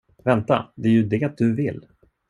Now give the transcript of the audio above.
Vänta, det är ju det du vill.